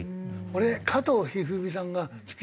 俺加藤一二三さんが好きで。